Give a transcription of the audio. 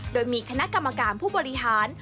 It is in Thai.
โดยมีคณะกรรมการผู้บริหาร